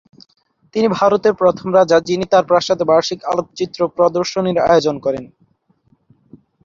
তিনি ভারতের প্রথম রাজা যিনি তার প্রাসাদে বার্ষিক আলোকচিত্র প্রদর্শনীর আয়োজন করেন।